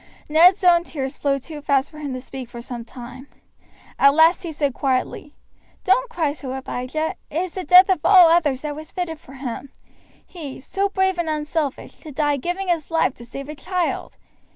Ned's own tears flowed too fast for him to speak for some time. At last he said quietly, "Don't cry so, Abijah. It is the death of all others that was fitted for him, he, so brave and unselfish, to die giving his life to save a child.